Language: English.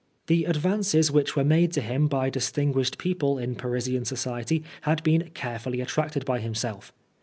The advances which were made to him by distinguished people in Parisian society had been carefully attracted by himself.